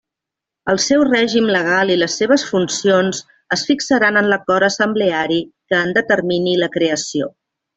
El seu règim legal i les seves funcions es fixaran en l'acord assembleari que en determini la creació.